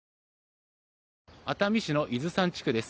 熱海市の伊豆山地区です。